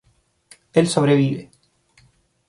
Él sobrevive.